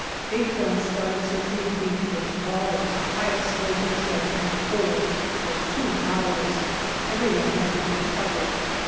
Big gun started searching the beach with large high explosive shells at four, for two hours. Every one had to take cover.